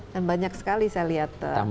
dan banyak sekali saya lihat